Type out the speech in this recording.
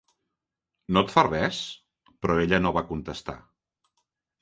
"No et fa res?" Però ella no va contestar.